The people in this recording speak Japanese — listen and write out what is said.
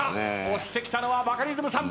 押してきたのはバカリズムさんだ！